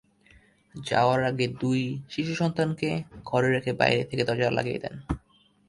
যাওয়ার আগে দুই শিশুসন্তানকে ঘরে রেখে বাইরে থেকে দরজা লাগিয়ে দেন।